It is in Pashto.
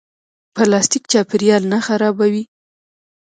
پلاستیک چاپیریال نه خرابوي